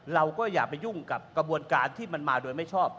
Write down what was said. เราก็อย่าไปยุ่งกับกระบวนการที่มันมาโดยไม่ชอบ